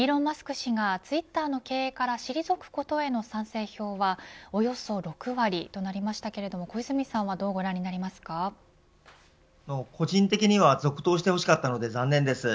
氏がツイッターの経営から退くことへの賛成票はおよそ６割となりましたけれども小泉さんは個人的には続投して欲しかったので残念です。